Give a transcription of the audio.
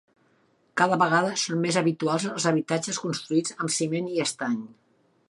Cada vegada són més habituals els habitatges construïts amb ciment i estany.